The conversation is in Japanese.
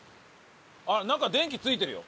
あっ中電気ついてるよ。